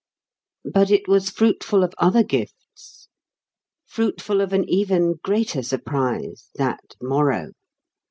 But it was fruitful of other "gifts," fruitful of an even greater surprise, that "morrow."